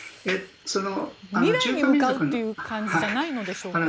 未来に向かうという感じじゃないんでしょうか？